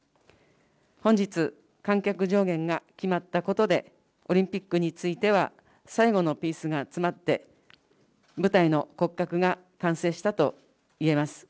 本日、観客上限が決まったことで、オリンピックについては最後のピースが集まって、舞台の骨格が完成したといえます。